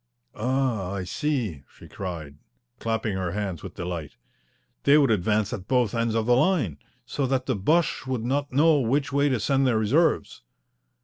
"Ah, I see," she cried, clapping her hands with delight. "They would advance at both ends of the line, so that the Boches would not know which way to send their reserves."